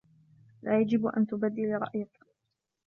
لا يجب ان تبدلي رايك